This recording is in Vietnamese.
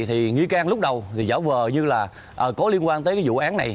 thì nghi can lúc đầu thì giả vờ như là có liên quan tới cái vụ án này